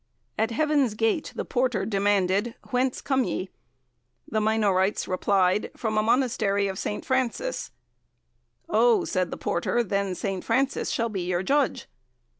At Heaven's gate the porter demanded, 'Whence came ye?' The Minorites replied 'From a monastery of St. Francis.' 'Oh!' said the porter, 'then St. Francis shall be your judge.'